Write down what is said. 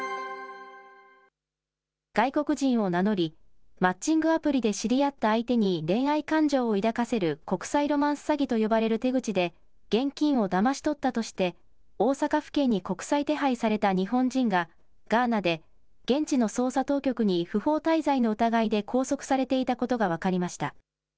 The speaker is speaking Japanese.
外国人を名乗り、マッチングアプリで知り合った相手に恋愛感情を抱かせる、国際ロマンス詐欺と呼ばれる手口で、現金をだまし取ったとして、大阪府警に国際手配された日本人がガーナで現地の捜査当局に不法滞在の疑いで拘束されていたことが分かりました。